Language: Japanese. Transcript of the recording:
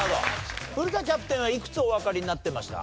古田キャプテンはいくつおわかりになってました？